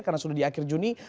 karena sudah di akhir juni